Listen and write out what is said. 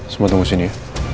semua tunggu sini